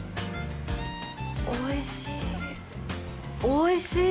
おいしい。